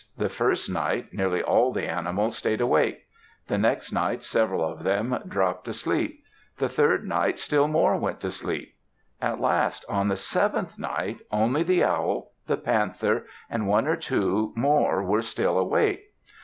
The first night, nearly all the animals stayed awake. The next night several of them dropped asleep. The third night still more went to sleep. At last, on the seventh night, only the owl, the panther, and one or two more were still awake.